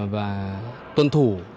và tuân thủ